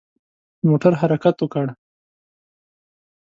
موټر حرکت وکړ.